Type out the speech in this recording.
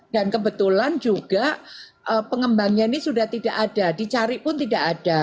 dan kebetulan juga pengembangannya ini sudah tidak ada dicari pun tidak ada